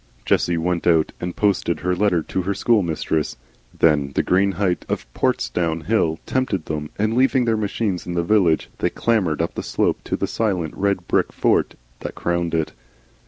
Jessie went out and posted her letter to her school friend. Then the green height of Portsdown Hill tempted them, and leaving their machines in the village they clambered up the slope to the silent red brick fort that crowned it.